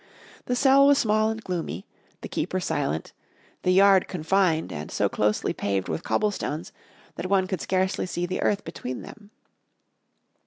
The cell was small and gloomy, the keeper silent, the yard confined and so closely paved with cobblestones that one could scarcely see the earth between them.